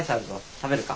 食べるか？